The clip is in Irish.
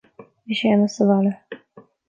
Bhí Séamus sa bhaile